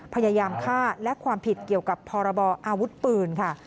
พยายามฆ่าและความผิดเกี่ยวกับพรบออาวุธปืนค่ะ